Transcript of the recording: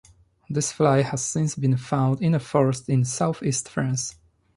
This fly has since been found in a forest in south-east France.